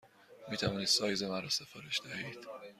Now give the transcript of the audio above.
می توانید سایز مرا سفارش دهید؟